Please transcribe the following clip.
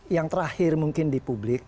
yang terakhir mungkin di publik